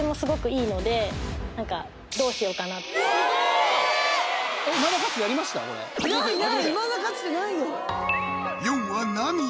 いまだかつてないよヨンア涙